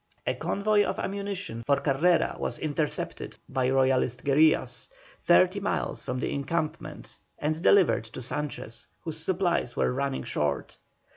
A convoy of ammunition for Carrera was intercepted by Royalist guerillas, thirty miles from the encampment, and delivered to Sanchez, whose supplies were running short.